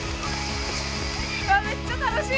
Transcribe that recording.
めっちゃ楽しい。